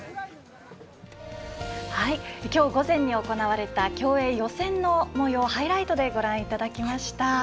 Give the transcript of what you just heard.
きょう午前に行われた競泳予選のもようハイライトでご覧いただきました。